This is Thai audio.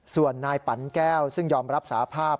ส่วนนายปั่นแก้วซึ่งยอมรับสาภาพ